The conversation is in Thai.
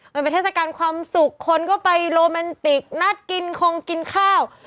มันเป็นเทศกาลความสุขคนก็ไปโรแมนติกนัดกินคงกินข้าว